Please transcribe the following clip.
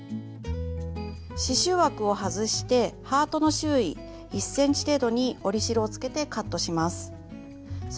刺しゅう枠を外してハートの周囲１ｃｍ程度に折り代をつけてカットします。